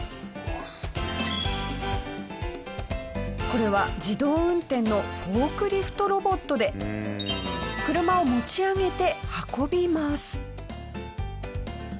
これは自動運転のフォークリフトロボットで車を持ち上げて運びます。